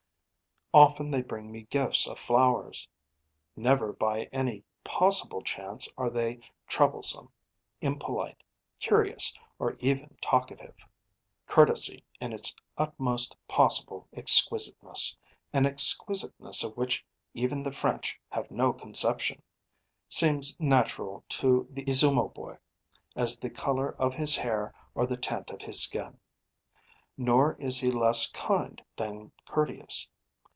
Often they bring me gifts of flowers. Never by any possible chance are they troublesome, impolite, curious, or even talkative. Courtesy in its utmost possible exquisiteness an exquisiteness of which even the French have no conception seems natural to the Izumo boy as the colour of his hair or the tint of his skin. Nor is he less kind than courteous.